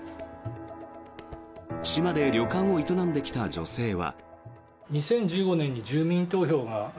島で旅館を営んできた女性は。